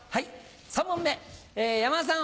３問目山田さん